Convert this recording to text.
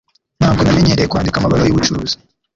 Ntabwo namenyereye kwandika amabaruwa yubucuruzi